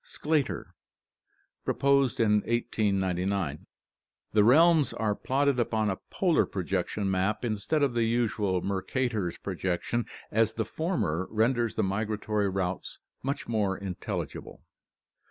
Sclater, proposed in 1899. The realms are plotted upon a polar projection map instead of the usual Mercator's projection, as the former renders the migratory routes much more intelligible.